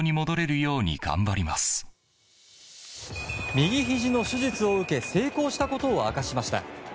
右ひじの手術を受け成功したことを明かしました。